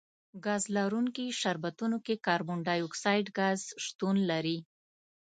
ګاز لرونکي شربتونو کې کاربن ډای اکسایډ ګاز شتون لري.